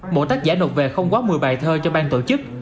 mỗi tác giả nộp về không quá một mươi bài thơ cho bang tổ chức